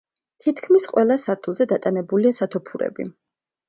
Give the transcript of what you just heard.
თითქმის ყველა სართულზე დატანებულია სათოფურები.